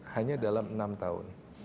hanya dalam enam tahun